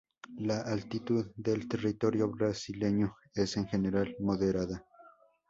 La altitud del territorio brasileño es en general moderada.